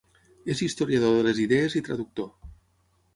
És historiador de les idees i traductor.